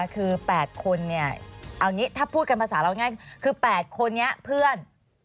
คือ๘คนเนี่ยเอางี้ถ้าพูดกันภาษาเราง่ายคือ๘คนนี้เพื่อน